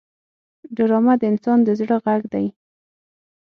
ډرامه د انسان د زړه غږ دی